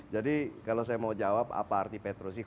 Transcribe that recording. jadi kalau saya mau jawab apa arti petrosi